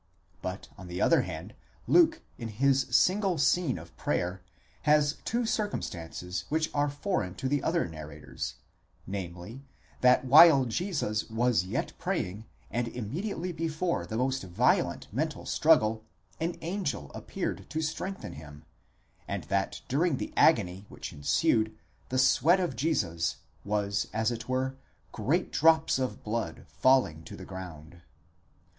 But, on the other hand, Luke in his single scene of prayer, has two circumstances which are foreign to the other narrators, namely, that while Jesus was yet praying, and immediately before the most violent mental struggle, an angel appeared to strengthen him, and that during the agony ἀγωνία which ensued, the sweat of Jesus was as it were great drops of blood falling to the ground.